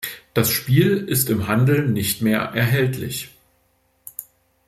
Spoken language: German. Das Spiel ist im Handel nicht mehr erhältlich.